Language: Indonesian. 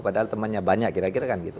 padahal temannya banyak kira kira kan gitu